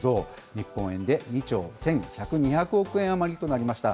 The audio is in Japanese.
日本円で２兆１２００億円余りとなりました。